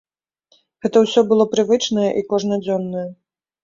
Гэта ўсё было прывычнае і кожнадзённае.